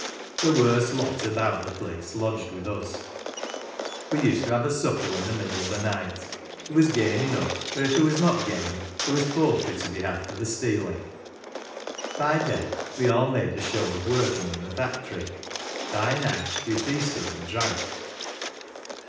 The worst lot about the place lodged with us. "We used to have a supper in the middle of the night ; there was game enough, or if there was not game, there was poultry to be had for the stealing. By day we all made a show of working in the factory. By night we feasted and drank.